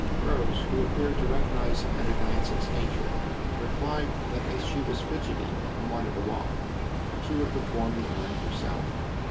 Rose, who appeared to recognise at a glance its nature, replied that as she was fidgety and wanted a walk she would perform the errand herself.